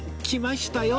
来ました。